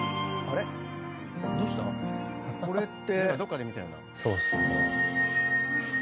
これって。